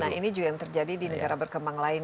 nah ini juga yang terjadi di negara berkembang lain